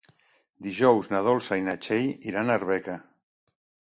Dijous na Dolça i na Txell iran a Arbeca.